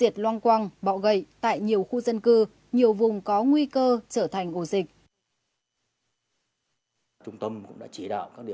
trở thành ưu dịch